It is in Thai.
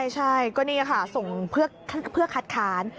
ใช่ก็นี่ค่ะส่งเพื่อคัดค้าน